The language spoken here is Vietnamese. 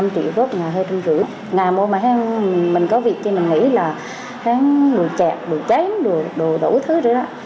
có vị trí mình nghĩ là hắn đùi chẹp đùi cháy đùi đủ thứ rồi đó